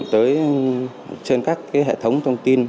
tới trên các hệ thống thông tin